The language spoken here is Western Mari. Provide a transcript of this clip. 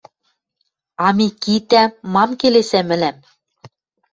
А Микитӓ? Мам келесӓ мӹлӓм?